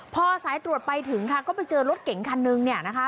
พอสายตรวจไปถึงค่ะก็ไปเจอรถเก๋งคันนึงเนี่ยนะคะ